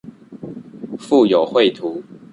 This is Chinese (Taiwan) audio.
附有繪圖